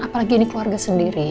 apalagi ini keluarga sendiri